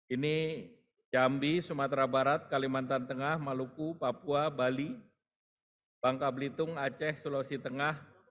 ini jambi sumatera barat kalimantan tengah maluku papua bali bangka belitung aceh sulawesi tengah